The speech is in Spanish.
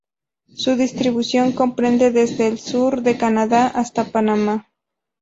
Su distribución comprende desde el sur de Canadá hasta Panamá.